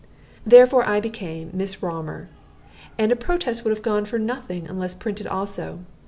Therefore I became "Miss Raumur;" and a protest would have gone for nothing unless printed also.